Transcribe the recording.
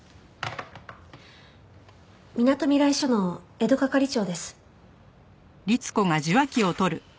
みなとみらい署の江戸係長です。